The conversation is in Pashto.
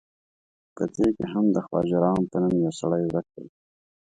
په دې کې هم د خواجه رام په نوم یو سړی ورک دی.